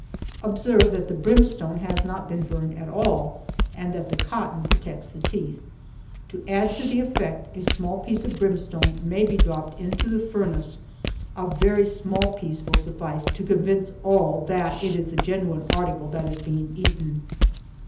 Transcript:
Observe that the brimstone has not been burned at all, and that the cotton protects the teeth. To add to the effect, a small piece of brimstone may be dropped into the furnace, a very small piece will suffice to convince all that it is the genuine article that is being eaten.